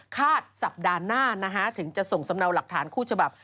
สัปดาห์หน้าถึงจะส่งสำเนาหลักฐานคู่ฉบับ